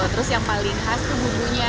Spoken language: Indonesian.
terus yang paling khas tuh bumbunya